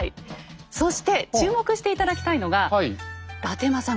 そして注目して頂きたいのが伊達政宗。